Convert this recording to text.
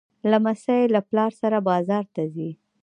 لمسی له پلار سره بازار ته ځي.